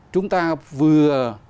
chúng ta vừa